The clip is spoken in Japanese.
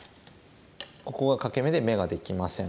ここが欠け眼で眼ができません。